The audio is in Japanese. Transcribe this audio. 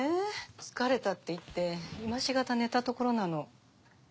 疲れたって言って今しがた寝たところなの。